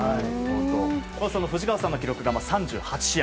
藤川さんの記録が３８試合